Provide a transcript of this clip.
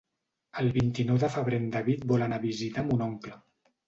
El vint-i-nou de febrer en David vol anar a visitar mon oncle.